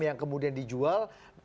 yang kemudian dijual